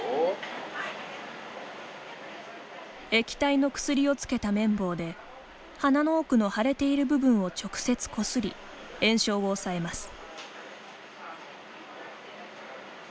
液体の薬をつけた綿棒で鼻の奥の腫れている部分を直接こすり、炎症を抑えます。